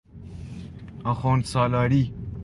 آخوندسالاری